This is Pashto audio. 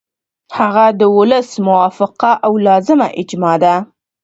هغه د ولس موافقه او لازمه اجماع ده.